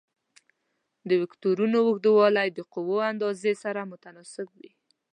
د وکتورونو اوږدوالی د قوو اندازې سره متناسب وي.